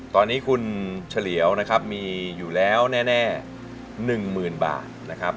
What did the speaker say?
ตอนนี้คุณเฉลียลนะครับมีอยู่แล้วแน่หนึ่งหมื่นบาทนะครับ